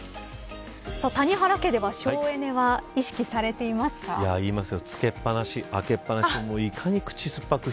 谷原家では省エネは意識されていますか。